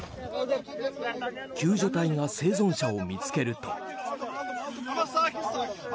救助隊が生存者を見つけると。